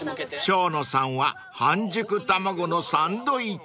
［生野さんは半熟卵のサンドイッチ］